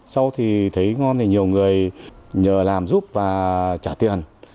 sau thì thấy ngon thì nhiều người nhờ làm giúp và trả tiền